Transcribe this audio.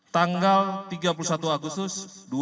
tanggal tiga puluh satu agustus dua ribu dua puluh